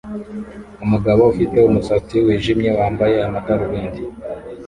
Umugabo ufite umusatsi wijimye wambaye amadarubindi